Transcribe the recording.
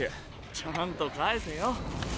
ちゃんと返せよ。